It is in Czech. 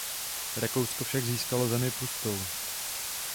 Rakousko však získalo zemi pustou.